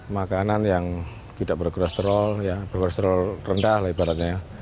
makanan yang tidak berkoresterol berkoresterol rendah lah ibaratnya